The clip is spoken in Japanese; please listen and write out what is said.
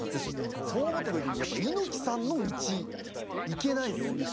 そう思った時にやっぱ猪木さんの道行けないっすね。